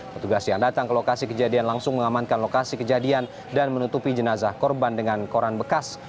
petugas yang datang ke lokasi kejadian langsung mengamankan lokasi kejadian dan menutupi jenazah korban dengan koran bekas